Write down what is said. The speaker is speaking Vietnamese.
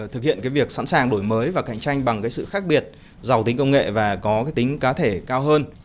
thực hiện việc sẵn sàng đổi mới và cạnh tranh bằng cái sự khác biệt giàu tính công nghệ và có cái tính cá thể cao hơn